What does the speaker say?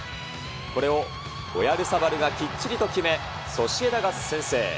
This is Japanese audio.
これをオヤルサバルがきっちりと決め、ソシエダが先制。